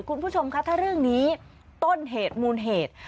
คุณผู้ชมคะถ้าเรื่องนี้ต้นเหตุมูลเหตุ